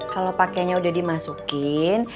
kalo pakenya udah dimasukin